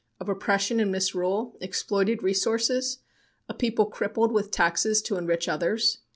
Of oppression and misrule? Exploited resources? A people crippled with taxes to enrich others?